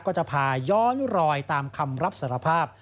ก็จะพาย้อนรอยตามคำรับสารภาพ